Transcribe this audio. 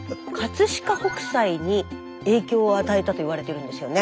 飾北斎に影響を与えたといわれてるんですよね。